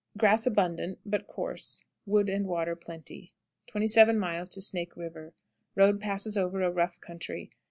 Grass abundant, but coarse; wood and water plenty. 27. Snake River. Road passes over a rough country.